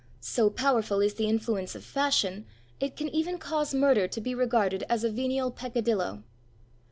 So powerful is the influence of fashion, it can even cause murder to be regarded as a venial peccadillo.